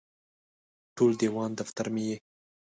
ټول دیوان دفتر مې یې